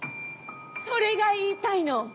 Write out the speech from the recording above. それが言いたいの！